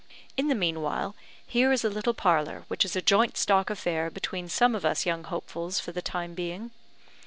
In the meanwhile here is a little parlour, which is a joint stock affair between some of us young hopefuls for the time being.